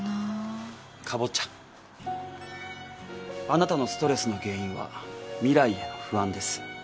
「あなたのストレスの原因は未来への不安です」